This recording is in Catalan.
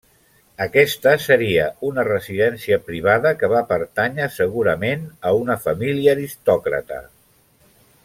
Aquesta seria una residència privada que va pertànyer segurament a una família aristòcrata.